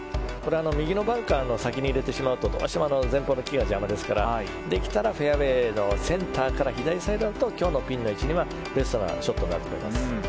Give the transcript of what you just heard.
右のバンカーの先に入れてしまうとどうしても前方の木が邪魔ですからできたらフェアウェーセンターから左サイドに置くと今日のピンの位置にはベストなショットになると思います。